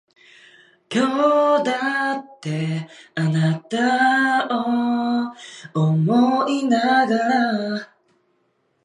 航空機